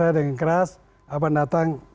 saya dengan keras abang datang